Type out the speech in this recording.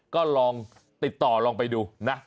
ก็ลองติดต่อลองไปดูนะ